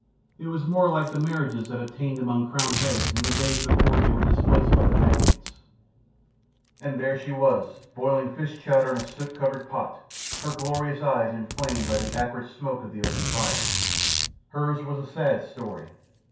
It was more like the marriages that obtained among crowned heads in the days before they were displaced by the Magnates. [Illustration: There she was, boiling fish chowder 153] "And there she was, boiling fish chowder in a soot covered pot, her glorious eyes inflamed by the acrid smoke of the open fire. Hers was a sad story.